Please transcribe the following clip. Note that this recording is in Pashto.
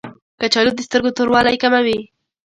کچالو د سترګو توروالی کموي